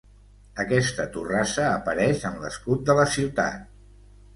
Aquesta torrassa apareix en l'escut de la ciutat.